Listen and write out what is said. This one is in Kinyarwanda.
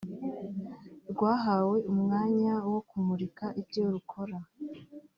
rwahawe umwanya wo kumurika ibyo rukora